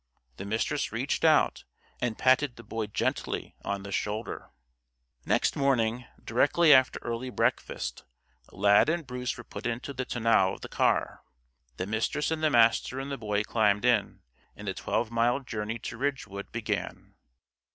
The Mistress reached out and patted the Boy gently on the shoulder. Next morning, directly after early breakfast, Lad and Bruce were put into the tonneau of the car. The Mistress and the Master and the Boy climbed in, and the twelve mile journey to Ridgewood began.